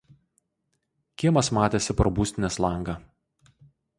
Kiemas matėsi pro būstinės langą.